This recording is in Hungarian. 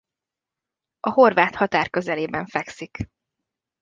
A horvát határ közelében fekszik.